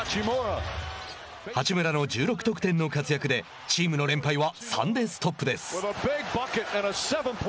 八村の１６得点の活躍でチームの連敗は３でストップです。